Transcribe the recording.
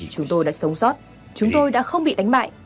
chúng tôi đã sống sót chúng tôi đã không bị đánh bại